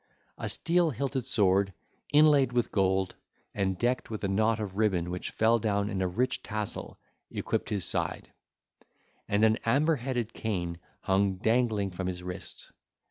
A steel hilted sword, inlaid with gold, and decked with a knot of ribbon which fell down in a rich tassel, equipped his side; and an amber headed cane hung dangling from his wrist.